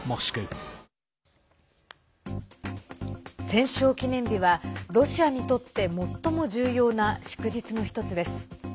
戦勝記念日は、ロシアにとって最も重要な祝日の１つです。